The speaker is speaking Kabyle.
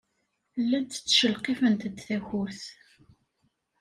Llant ttcelqifent-d takurt.